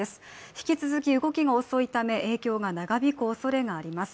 引き続き動きが遅いため影響が長引くおそれがあります。